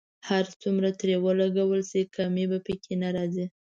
هر څومره ترې ولګول شي کمی په کې نه راځي.